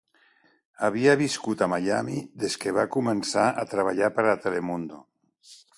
Havia viscut a Miami des que va començar a treballar per a Telemundo.